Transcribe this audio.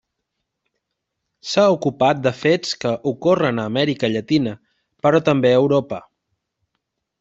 S'ha ocupat de fets que ocorren a Amèrica Llatina, però també a Europa.